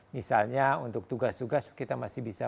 misalnya untuk tugas tugas kita masih bisa